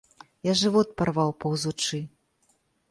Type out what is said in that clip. Я жывот парваў паўзучы.